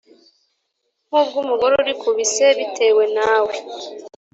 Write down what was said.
nk’ubw’umugore uri ku bise bitewe nawe.’ “